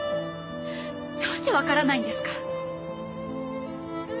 どうしてわからないんですか？